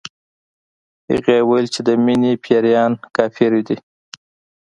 هغې ويل چې د مينې پيريان کافر دي